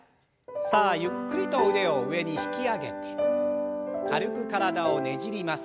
さあゆっくりと腕を上に引き上げて軽く体をねじります。